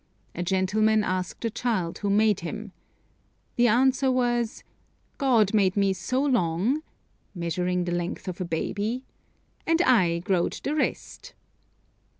A gentleman asked a child who made him. The answer was: "God made me so long measuring the length of a baby and I growed the rest."